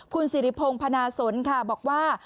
คุณสิริพงศ์พนาสนค่ะบอกว่า